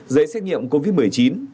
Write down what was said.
giấy xác nhiệm covid một mươi chín